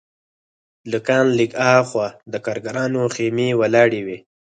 له کان لږ هاخوا د کارګرانو خیمې ولاړې وې